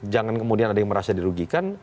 jangan kemudian ada yang merasa dirugikan